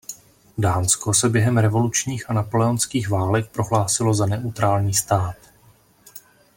Dánsko se během revolučních a napoleonských válek prohlásilo za neutrální stát.